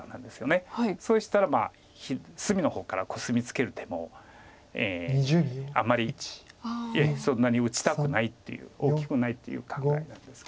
そうしたら隅の方からコスミツケる手もあまりそんなに打ちたくないっていう大きくないっていう考えなんですけれども。